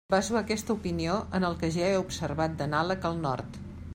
Baso aquesta opinió en el que ja he observat d'anàleg al Nord.